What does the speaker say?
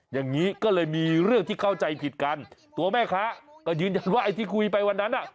อย่างนี้ก็เลยมีเรื่องที่เข้าใจผิดกันตัวแม่ค้าก็ยืนยันว่าไอ้ที่คุยไปวันนั้นอ่ะ